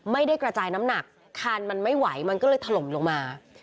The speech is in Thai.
ไม่ได้กระจายน้ำหนักคานมันไม่ไหวมันก็เลยถล่มลงมา